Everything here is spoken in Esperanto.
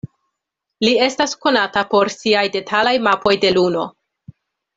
Li estas konata por siaj detalaj mapoj de Luno.